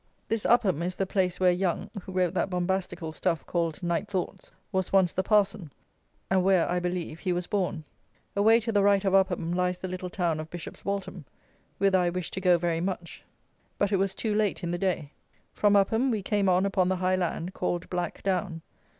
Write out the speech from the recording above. This Upham is the place where Young, who wrote that bombastical stuff, called "Night Thoughts," was once the parson, and where, I believe, he was born. Away to the right of Upham lies the little town of Bishop's Waltham, whither I wished to go very much, but it was too late in the day. From Upham we came on upon the high land, called Black Down.